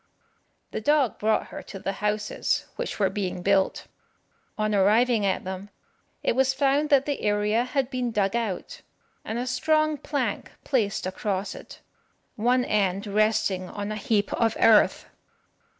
The dog brought her to the houses which were being built. On arriving at them, it was found that the area had been dug out, and a strong plank placed across it, one end resting on a heap of earth.